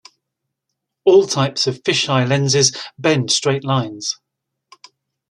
All types of fisheye lenses bend straight lines.